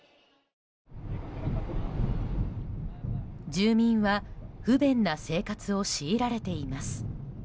住民は不便な生活を強いられています。